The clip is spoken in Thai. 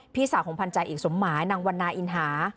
พี่สาวของพันธาเอกสมหมายนางวันนาอินหา